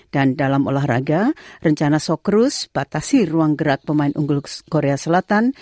dan dalam olahraga rencana sokrus batasi ruang gerak pemain unggul korea selatan